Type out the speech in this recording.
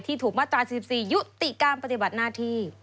ถูกมาตรา๑๔ยุติการปฏิบัติหน้าที่